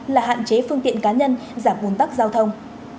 là hạn chế phương tiện cá nhân giảm bùn tắc giao thông